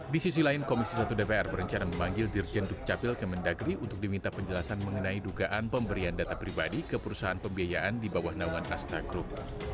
di sisi lain komisi satu dpr berencana memanggil dirjen dukcapil kemendagri untuk diminta penjelasan mengenai dugaan pemberian data pribadi ke perusahaan pembiayaan di bawah naungan asta group